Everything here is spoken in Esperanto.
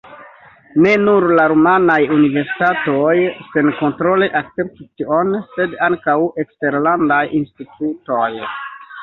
Ne nur la rumanaj universitatoj senkontrole akceptis tion, sed ankaŭ eksterlandaj institutoj.